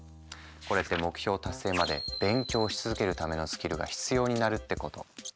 これって目標達成まで勉強し続けるためのスキルが必要になるってこと。